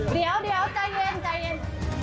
เดี๋ยวใจเย็น